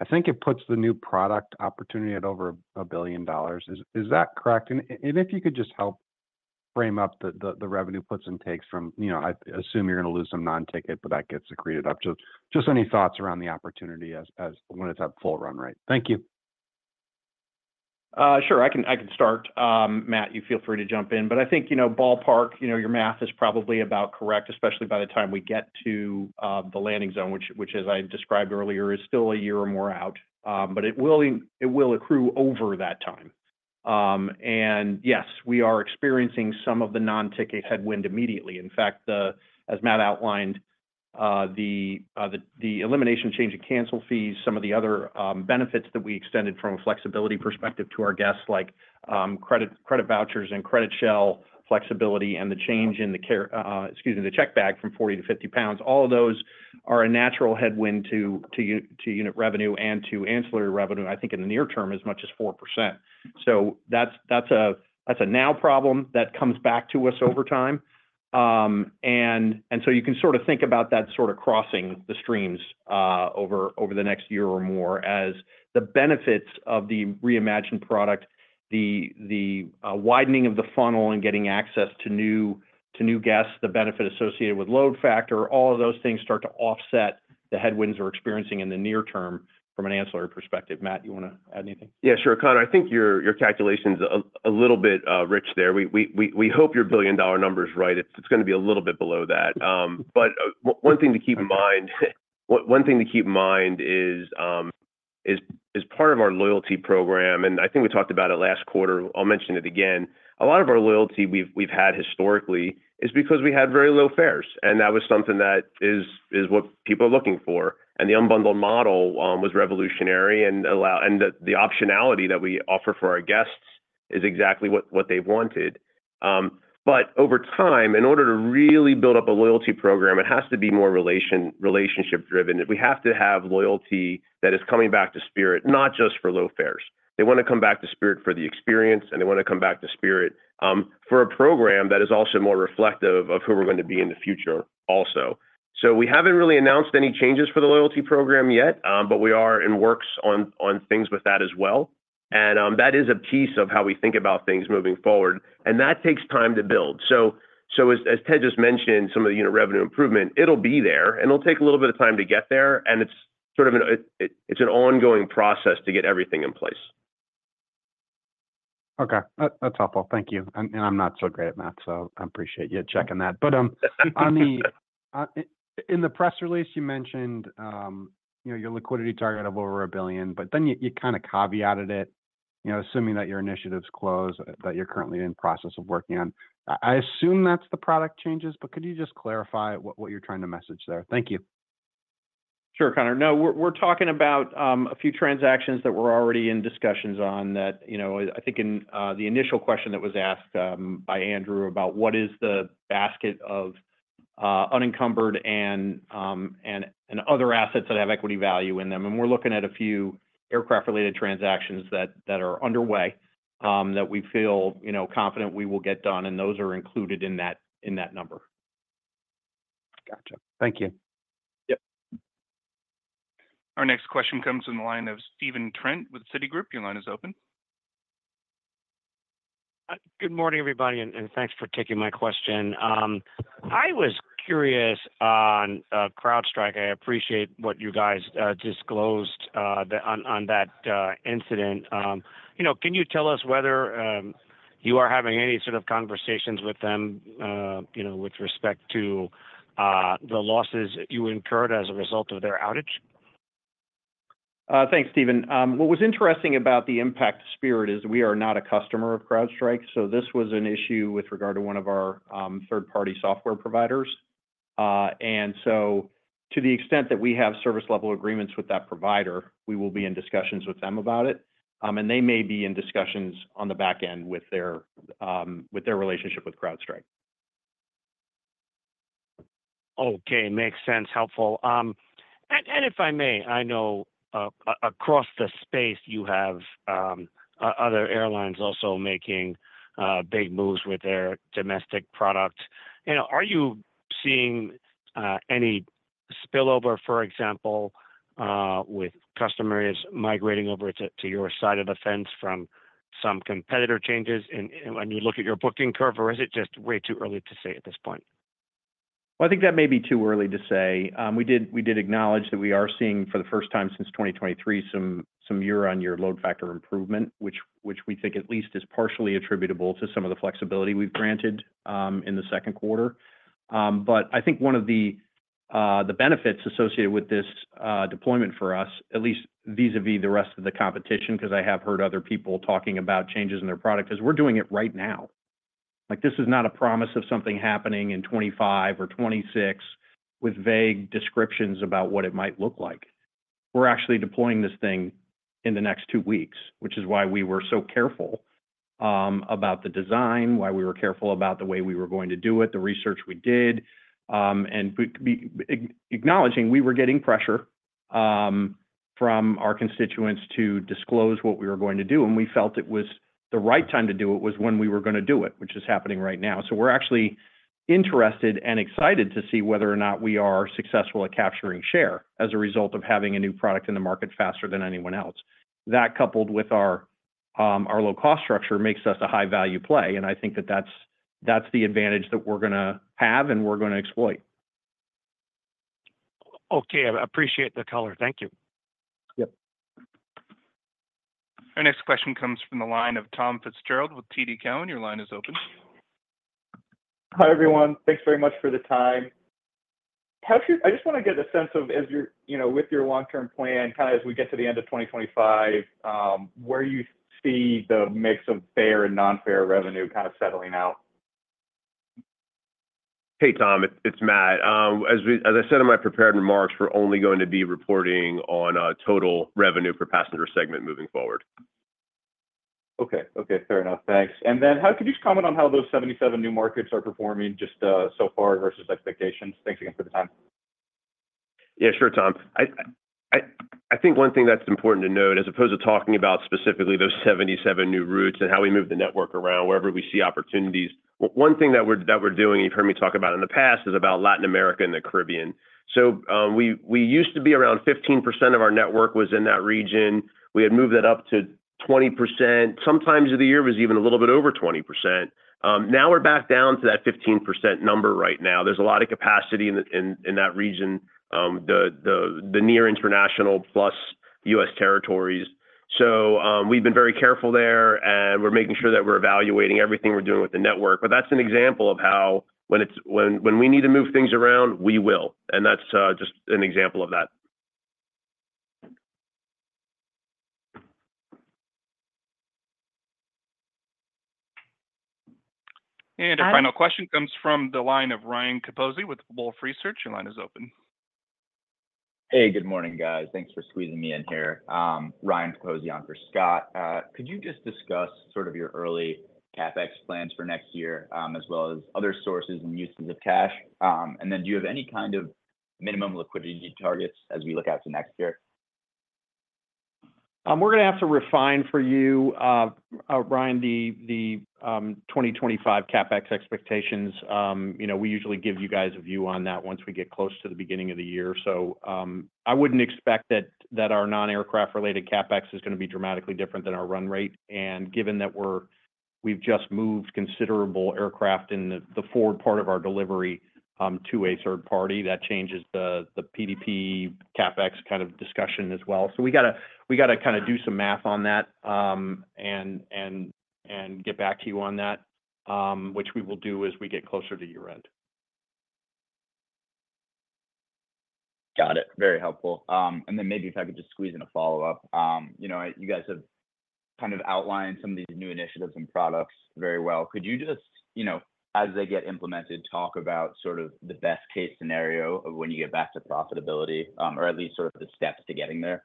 I think it puts the new product opportunity at over $1 billion. Is that correct? And if you could just help frame up the revenue puts and takes from I assume you're going to lose some non-ticket, but that gets accreted up. Just any thoughts around the opportunity when it's at full run rate? Thank you. Sure. I can start. Matt, you feel free to jump in. But I think ballpark, your math is probably about correct, especially by the time we get to the landing zone, which, as I described earlier, is still a year or more out. But it will accrue over that time. And yes, we are experiencing some of the non-ticket headwind immediately. In fact, as Matt outlined, the elimination change in cancel fees, some of the other benefits that we extended from a flexibility perspective to our guests, like credit vouchers and credit shell flexibility and the change in the, excuse me, the check bag from 40 to 50 pounds, all of those are a natural headwind to unit revenue and to ancillary revenue, I think, in the near term as much as 4%. So that's a now problem that comes back to us over time. And so you can sort of think about that sort of crossing the streams over the next year or more as the benefits of the reimagined product, the widening of the funnel and getting access to new guests, the benefit associated with load factor, all of those things start to offset the headwinds we're experiencing in the near term from an ancillary perspective. Matt, you want to add anything? Yeah, sure. Connor, I think your calculation's a little bit rich there. We hope your billion-dollar number's right. It's going to be a little bit below that. But one thing to keep in mind, one thing to keep in mind is part of our loyalty program, and I think we talked about it last quarter. I'll mention it again. A lot of our loyalty we've had historically is because we had very low fares. And that was something that is what people are looking for. And the unbundled model was revolutionary. And the optionality that we offer for our guests is exactly what they wanted. But over time, in order to really build up a loyalty program, it has to be more relationship-driven. We have to have loyalty that is coming back to Spirit, not just for low fares. They want to come back to Spirit for the experience, and they want to come back to Spirit for a program that is also more reflective of who we're going to be in the future also. So we haven't really announced any changes for the loyalty program yet, but we are in the works on things with that as well. And that is a piece of how we think about things moving forward. And that takes time to build. So as Ted just mentioned, some of the unit revenue improvement, it'll be there. And it'll take a little bit of time to get there. And it's an ongoing process to get everything in place. Okay. That's helpful. Thank you. And I'm not so great at math, so I appreciate you checking that. But in the press release, you mentioned your liquidity target of over $1 billion, but then you kind of caveated it, assuming that your initiatives close, that you're currently in the process of working on. I assume that's the product changes, but could you just clarify what you're trying to message there? Thank you. Sure, Connor. No, we're talking about a few transactions that we're already in discussions on that I think in the initial question that was asked by Andrew about what is the basket of unencumbered and other assets that have equity value in them. And we're looking at a few aircraft-related transactions that are underway that we feel confident we will get done. And those are included in that number. Gotcha. Thank you. Yep. Our next question comes from the line of Stephen Trent with Citi. Your line is open. Good morning, everybody. Thanks for taking my question. I was curious on CrowdStrike. I appreciate what you guys disclosed on that incident. Can you tell us whether you are having any sort of conversations with them with respect to the losses you incurred as a result of their outage? Thanks, Stephen. What was interesting about the impact to Spirit is we are not a customer of CrowdStrike. So this was an issue with regard to one of our third-party software providers. And so to the extent that we have service-level agreements with that provider, we will be in discussions with them about it. And they may be in discussions on the back end with their relationship with CrowdStrike. Okay. Makes sense. Helpful. If I may, I know across the space, you have other airlines also making big moves with their domestic product. Are you seeing any spillover, for example, with customers migrating over to your side of the fence from some competitor changes when you look at your booking curve, or is it just way too early to say at this point? Well, I think that may be too early to say. We did acknowledge that we are seeing, for the first time since 2023, some year-on-year load factor improvement, which we think at least is partially attributable to some of the flexibility we've granted in the Q2. But I think one of the benefits associated with this deployment for us, at least vis-à-vis the rest of the competition, because I have heard other people talking about changes in their product, is we're doing it right now. This is not a promise of something happening in 2025 or 2026 with vague descriptions about what it might look like. We're actually deploying this thing in the next two weeks, which is why we were so careful about the design, why we were careful about the way we were going to do it, the research we did, and acknowledging we were getting pressure from our constituents to disclose what we were going to do. And we felt it was the right time to do it was when we were going to do it, which is happening right now. So we're actually interested and excited to see whether or not we are successful at capturing share as a result of having a new product in the market faster than anyone else. That, coupled with our low-cost structure, makes us a high-value play. And I think that that's the advantage that we're going to have and we're going to exploit. Okay. I appreciate the color. Thank you. Yep. Our next question comes from the line of Tom Fitzgerald with TD Cowen. Your line is open. Hi, everyone. Thanks very much for the time. I just want to get a sense of, with your long-term plan, kind of as we get to the end of 2025, where you see the mix of fare and non-fare revenue kind of settling out. Hey, Tom. It's Matt. As I said in my prepared remarks, we're only going to be reporting on total revenue for passenger segment moving forward. Okay. Okay. Fair enough. Thanks. And then how could you comment on how those 77 new markets are performing just so far versus expectations? Thanks again for the time. Yeah, sure, Tom. I think one thing that's important to note, as opposed to talking about specifically those 77 new routes and how we move the network around wherever we see opportunities, one thing that we're doing, you've heard me talk about in the past, is about Latin America and the Caribbean. So we used to be around 15% of our network was in that region. We had moved that up to 20%. Sometimes of the year, it was even a little bit over 20%. Now we're back down to that 15% number right now. There's a lot of capacity in that region, the near international plus U.S. territories. So we've been very careful there, and we're making sure that we're evaluating everything we're doing with the network. But that's an example of how when we need to move things around, we will. And that's just an example of that. Our final question comes from the line of Ryan Capozzi with Wolfe Research. Your line is open. Hey, good morning, guys. Thanks for squeezing me in here. Ryan Capozzi on for Scott. Could you just discuss sort of your early CapEx plans for next year as well as other sources and uses of cash? And then do you have any kind of minimum liquidity targets as we look out to next year? We're going to have to refine for you, Ryan, the 2025 CapEx expectations. We usually give you guys a view on that once we get close to the beginning of the year. So I wouldn't expect that our non-aircraft-related CapEx is going to be dramatically different than our run rate. And given that we've just moved considerable aircraft in the forward part of our delivery to a third party, that changes the PDP CapEx kind of discussion as well. So we got to kind of do some math on that and get back to you on that, which we will do as we get closer to year-end. Got it. Very helpful. And then maybe if I could just squeeze in a follow-up, you guys have kind of outlined some of these new initiatives and products very well. Could you just, as they get implemented, talk about sort of the best-case scenario of when you get back to profitability or at least sort of the steps to getting there?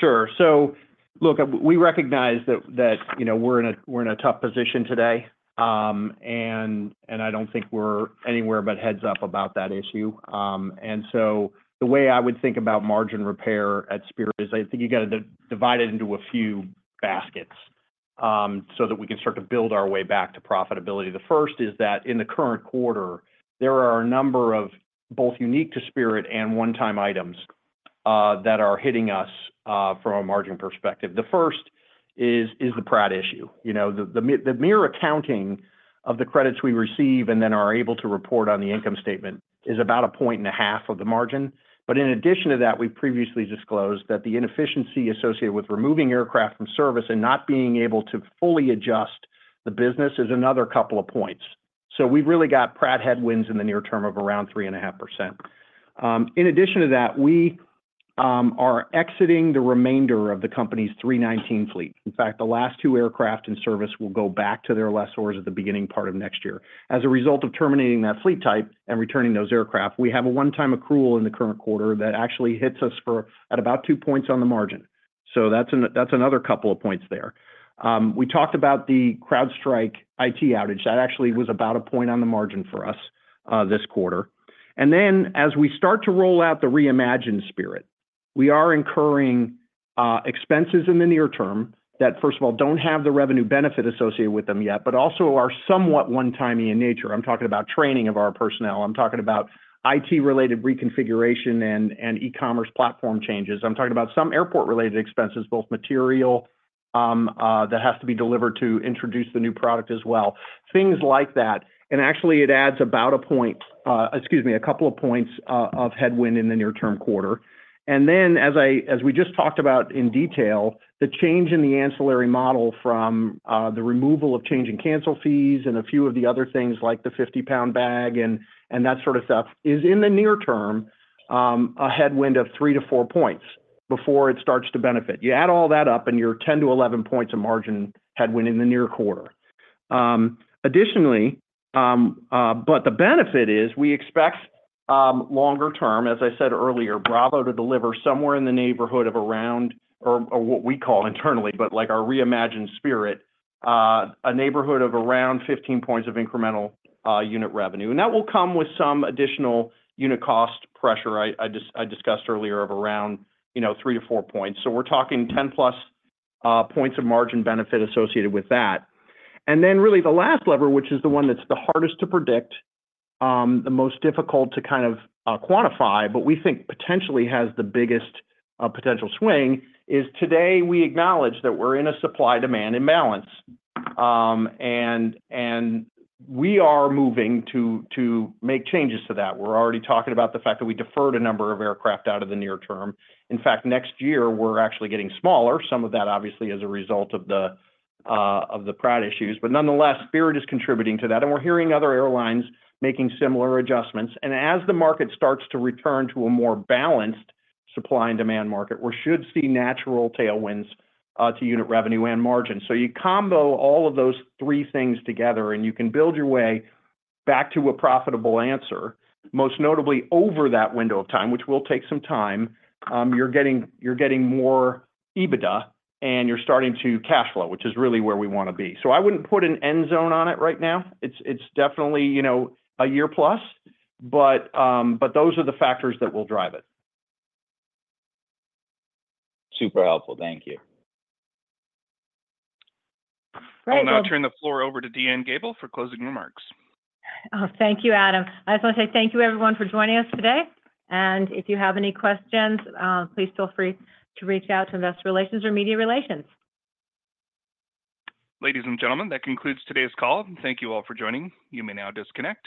Sure. So look, we recognize that we're in a tough position today. And I don't think we're anywhere but heads-up about that issue. And so the way I would think about margin repair at Spirit is I think you got to divide it into a few baskets so that we can start to build our way back to profitability. The first is that in the current quarter, there are a number of both unique to Spirit and one-time items that are hitting us from a margin perspective. The first is the Pratt issue. The mere accounting of the credits we receive and then are able to report on the income statement is about 1.5 points of the margin. But in addition to that, we've previously disclosed that the inefficiency associated with removing aircraft from service and not being able to fully adjust the business is another couple of points. So we've really got Pratt headwinds in the near term of around 3.5%. In addition to that, we are exiting the remainder of the company's 319 fleet. In fact, the last 2 aircraft in service will go back to their lessors at the beginning part of next year. As a result of terminating that fleet type and returning those aircraft, we have a one-time accrual in the current quarter that actually hits us at about 2 points on the margin. So that's another couple of points there. We talked about the CrowdStrike IT outage. That actually was about 1 point on the margin for us this quarter. And then as we start to roll out the reimagined Spirit, we are incurring expenses in the near term that, first of all, don't have the revenue benefit associated with them yet, but also are somewhat one-timey in nature. I'm talking about training of our personnel. I'm talking about IT-related reconfiguration and e-commerce platform changes. I'm talking about some airport-related expenses, both material that has to be delivered to introduce the new product as well, things like that. And actually, it adds about a point, excuse me, a couple of points of headwind in the near-term quarter. And then, as we just talked about in detail, the change in the ancillary model from the removal of change and cancel fees and a few of the other things like the 50-pound bag and that sort of stuff is, in the near term, a headwind of 3-4 points before it starts to benefit. You add all that up, and you're 10-11 points of margin headwind in the near quarter. Additionally, but the benefit is we expect longer-term, as I said earlier, Bravo to deliver somewhere in the neighborhood of around, or what we call internally, but our reimagined Spirit, a neighborhood of around 15 points of incremental unit revenue. And that will come with some additional unit cost pressure I discussed earlier of around 3-4 points. So we're talking 10+ points of margin benefit associated with that. And then really the last lever, which is the one that's the hardest to predict, the most difficult to kind of quantify, but we think potentially has the biggest potential swing, is, today, we acknowledge that we're in a supply-demand imbalance. And we are moving to make changes to that. We're already talking about the fact that we deferred a number of aircraft out of the near term. In fact, next year, we're actually getting smaller. Some of that, obviously, is a result of the Pratt issues. But nonetheless, Spirit is contributing to that. And we're hearing other airlines making similar adjustments. And as the market starts to return to a more balanced supply and demand market, we should see natural tailwinds to unit revenue and margin. So you combo all of those three things together, and you can build your way back to a profitable answer, most notably over that window of time, which will take some time. You're getting more EBITDA, and you're starting to cash flow, which is really where we want to be. So I wouldn't put an end zone on it right now. It's definitely a year-plus, but those are the factors that will drive it. Super helpful. Thank you. Well, now I'll turn the floor over to Deanne Gabel for closing remarks. Thank you, Adam. I just want to say thank you, everyone, for joining us today. If you have any questions, please feel free to reach out to Investor Relations or Media Relations. Ladies and gentlemen, that concludes today's call. Thank you all for joining. You may now disconnect.